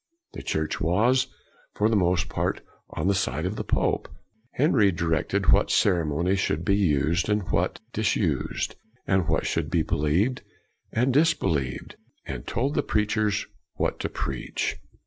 The Church was, for the most part, on the side of the pope. 82 CRANMER Henry directed what ceremonies should be used and what disused, and what should be believed and disbelieved, and told the preachers what to preach.